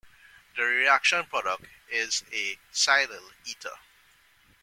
The reaction product is a silyl ether.